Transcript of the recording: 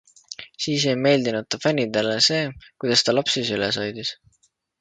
Siis ei meeldinud ta fännidele see, kuidas ta lapsi süles hoidis.